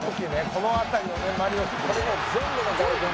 この辺りのマリノス。